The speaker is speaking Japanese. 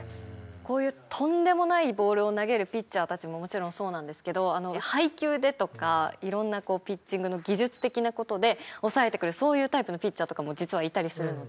こういうとんでもないボールを投げるピッチャーたちももちろんそうなんですけど配球でとかいろんなこうピッチングの技術的な事で抑えてくるそういうタイプのピッチャーとかも実はいたりするので。